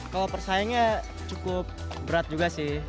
kalau persaingnya cukup berat juga sih